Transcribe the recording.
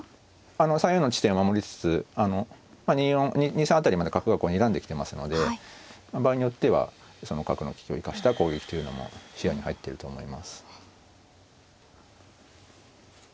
３四の地点を守りつつ２三辺りまで角がこうにらんできてますので場合によってはその角の利きを生かした攻撃というのも視野に入ってると思います。